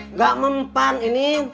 nggak mempan ini